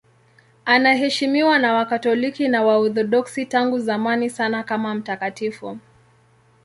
Anaheshimiwa na Wakatoliki na Waorthodoksi tangu zamani sana kama mtakatifu.